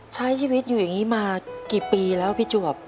ใช้ชีวิตอยู่อย่างนี้มากี่ปีแล้วพี่จวบ